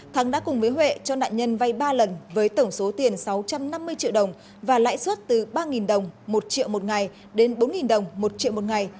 thắng đã cùng với huệ cho nạn nhân vay ba lần với tổng số tiền sáu trăm năm mươi triệu đồng và lãi suất từ ba đồng một triệu một ngày đến bốn đồng một triệu một ngày